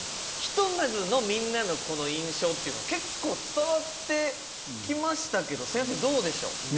ひとまずのみんなのこの印象っていうの結構伝わってきましたけど先生どうでしょう？